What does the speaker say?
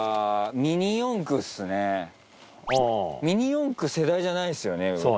ミニ四駆世代じゃないっすよね上田さん。